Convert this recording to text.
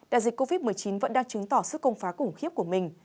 đại dịch covid một mươi chín vẫn đang chứng tỏ sức công phá khủng khiếp của mình